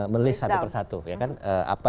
men list satu per satu ya kan apa